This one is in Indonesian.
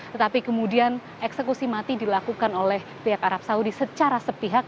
tetapi kemudian eksekusi mati dilakukan oleh pihak arab saudi secara sepihak